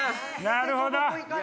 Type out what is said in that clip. なるほど！